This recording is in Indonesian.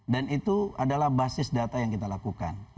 dan itu adalah basis data yang kita lakukan